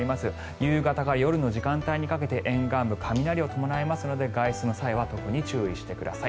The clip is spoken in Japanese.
夕方から夜の時間帯にかけて沿岸部雷を伴いますので外出の際には特に注意してください。